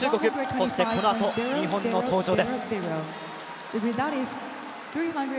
そして、このあと日本の登場です。